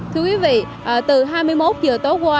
thưa quý vị từ hai mươi một giờ tối qua